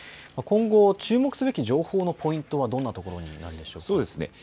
今後注目すべき情報のポイントはどんなところにあるでしょうか。